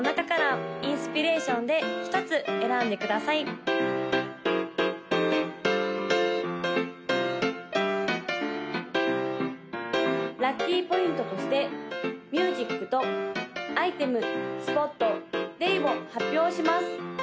・赤色紫色黄色青色の・ラッキーポイントとしてミュージックとアイテムスポットデイを発表します！